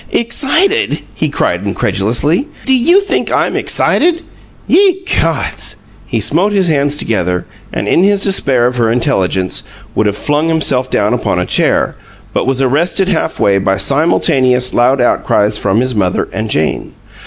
"'Excited!'" he cried, incredulously. "Do you think I'm EXCITED? Ye gods!" He smote his hands together and, in his despair of her intelligence, would have flung himself down upon a chair, but was arrested half way by simultaneous loud outcries from his mother and Jane.